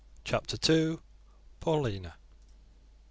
CHAPTER II. PAULINA.